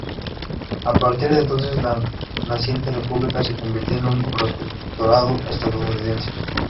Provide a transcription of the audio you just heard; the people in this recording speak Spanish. A partir de entonces, la naciente república se convirtió en un protectorado estadounidense.